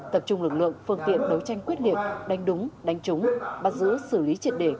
tập trung lực lượng phương tiện đấu tranh quyết liệt đánh đúng đánh trúng bắt giữ xử lý triệt để